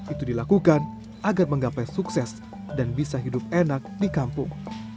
itu dilakukan agar menggapai sukses dan bisa hidup enak di kampung